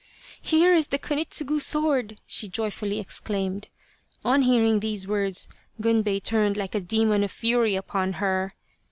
" Here is the Kunitsugu sword," she joyfully ex claimed. On hearing these words, Gunbei turned like a demon of fury upon her.